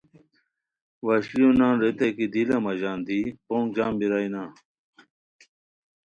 وشلیو نان ریتائے کی دی لہ مہ ژان دی پونگ جم بیرائے نا